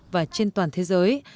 và trên toàn thế giới